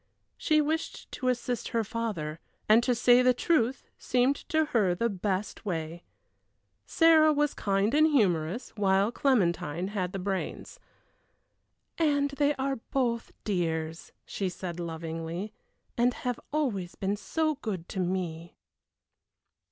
She wished to assist her father, and to say the truth seemed to her the best way. Sarah was kind and humorous, while Clementine had the brains. "And they are both dears," she said, lovingly, "and have always been so good to me."